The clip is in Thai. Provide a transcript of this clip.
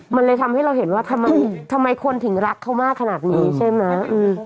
มันเลยทำให้เราเห็นว่าทำไมคนถึงรักเขามากขนาดนี้ใช่ไหม